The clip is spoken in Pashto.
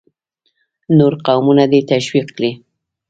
نور قومونه دې ته تشویق کړي.